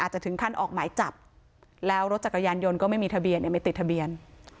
จะถึงขั้นออกหมายจับแล้วรถจักรยานยนต์ก็ไม่มีทะเบียนไม่ติดทะเบียน